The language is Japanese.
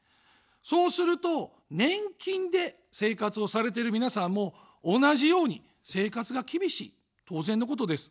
そうすると、年金で生活をされている皆さんも同じように生活が厳しい、当然のことです。